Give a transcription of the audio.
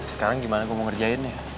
ternyata gue mau ngajarin